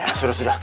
ya sudah sudah